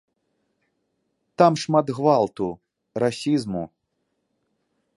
Там шмат гвалту, расізму.